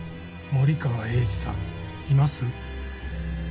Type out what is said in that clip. ☎森川栄治さんいます？